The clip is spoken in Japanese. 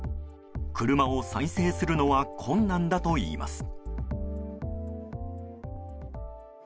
車を再生するのは困難だといいます。